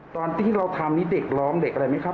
ตอนที่เราทำนี่เด็กร้องเด็กอะไรไหมครับ